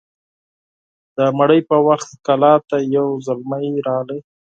د ډوډۍ په وخت کلا ته يو زلمی راغی